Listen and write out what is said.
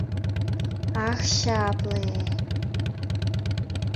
Ах, чапле!